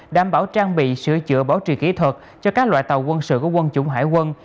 đảm bảo trang bị sửa chữa bảo trì kỹ thuật cho các loại tàu quân sự của quân chủng hải quân